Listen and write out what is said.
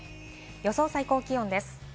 予想最高気温です。